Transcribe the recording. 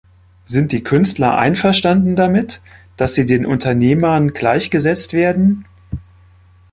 Sind die Künstler einverstanden damit, dass sie den Unternehmern gleichgesetzt werden?